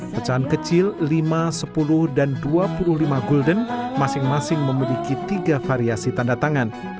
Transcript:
pecahan kecil lima sepuluh dan dua puluh lima gulden masing masing memiliki tiga variasi tanda tangan